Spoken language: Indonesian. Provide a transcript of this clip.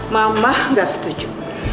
mama nggak setuju